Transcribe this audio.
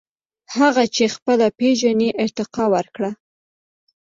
• هغه چې خپله پېژنې، ارتقاء ورکړه.